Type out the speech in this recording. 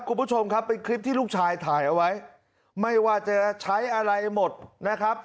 คุณผู้ชมครับเป็นคลิปที่ลูกชายถ่ายเอาไว้ไม่ว่าจะใช้อะไรหมดนะครับ